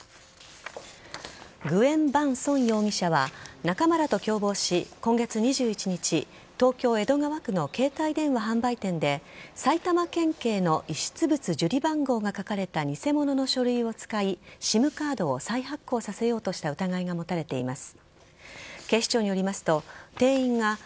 グエン・バン・ソン容疑者は仲間らと共謀し、今月２１日東京・江戸川区の携帯電話販売店で埼玉県警の遺失物受理番号が書かれた偽物の書類を使いＳＩＭカードを再発行させようとした疑いが持たれています。